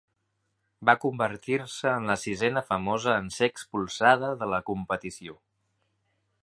Va convertir-se en la sisena famosa en ser expulsada de la competició.